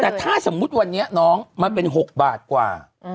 แต่ถ้าสมมุติวันนี้น้องมันเป็น๖บาทกว่า